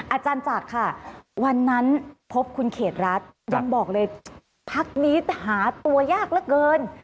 อาจารย์จักรค่ะวันนั้นพบคุณเขตรัฐยังบอกเลยพักนี้หาตัวยากเหลือเกิน